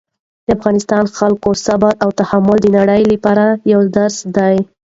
د افغانستان د خلکو صبر او تحمل د نړۍ لپاره یو درس دی.